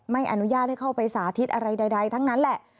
ไม่อนุญาตให้เข้าไปสาธิตอะไรใดทั้งนั้นแหละ